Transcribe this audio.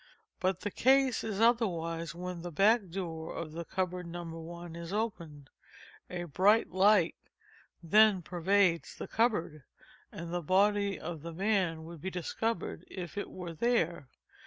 But the case is otherwise when the back door of the cupboard No. I, is opened. A bright light then pervades the cupboard, and the body of the man would be discovered if it were there.